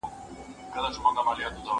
توري پښې توري مشوکي بد مخونه